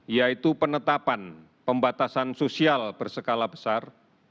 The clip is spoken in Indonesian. yaitu penetapan pembatasan sosial berskala besar